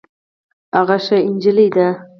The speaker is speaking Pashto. هغه ښه جينۍ ده